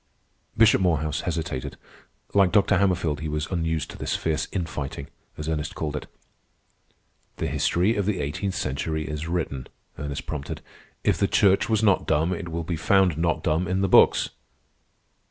Bishop Morehouse hesitated. Like Dr. Hammerfield, he was unused to this fierce "infighting," as Ernest called it. "The history of the eighteenth century is written," Ernest prompted. "If the Church was not dumb, it will be found not dumb in the books."